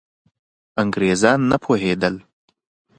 انګریزان نه پوهېدل.